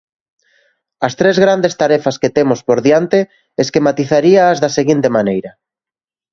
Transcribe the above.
As tres grandes tarefas que temos por diante esquematizaríaas da seguinte maneira.